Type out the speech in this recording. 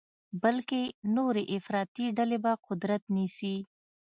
بلکې نورې افراطي ډلې به قدرت نیسي.